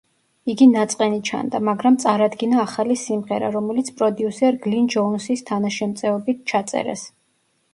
იგი ნაწყენი ჩანდა, მაგრამ წარადგინა ახალი სიმღერა, რომელიც პროდიუსერ გლინ ჯოუნსის თანაშემწეობით ჩაწერეს.